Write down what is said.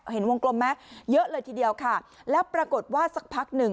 เห็นวงกลมไหมเยอะเลยทีเดียวค่ะแล้วปรากฏว่าสักพักหนึ่ง